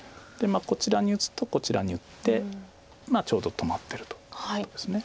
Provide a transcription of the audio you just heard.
こちらに打つとこちらに打ってちょうど止まってるということです。